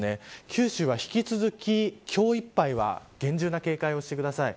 九州は引き続き今日いっぱいは厳重な警戒をしてください。